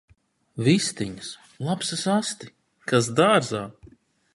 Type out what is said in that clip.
Vistiņas! Lapsas asti! Kas dārzā!